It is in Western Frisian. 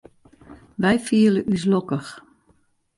Wy fiele ús lokkich.